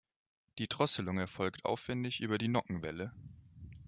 Die Drosselung erfolgt aufwändig über die Nockenwelle.